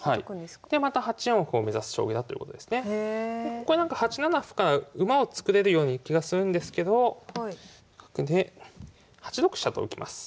ここに８七歩から馬を作れるような気がするんですけど８六飛車と受けます。